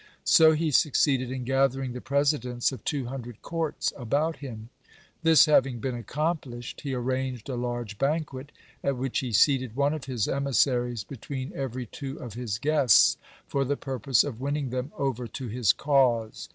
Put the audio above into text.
So he succeeded in gathering the presidents of two hundred courts about him. This having been accomplished, he arranged a large banquet, at which he seated one of his emissaries between every two of his guests, for the purpose of winning them over to his cause.